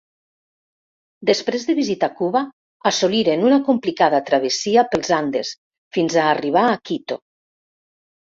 Després de visitar Cuba, assoliren una complicada travessia pels Andes fins a arribar a Quito.